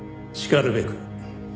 しかるべく。